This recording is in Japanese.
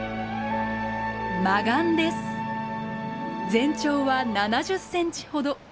全長は７０センチほど。